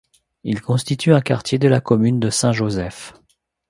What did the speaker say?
Il constitue un quartier de la commune de Saint-Joseph.